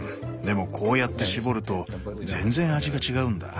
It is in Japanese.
でもこうやって搾ると全然味が違うんだ。